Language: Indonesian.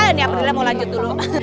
ini aprilnya mau lanjut dulu